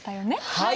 はい！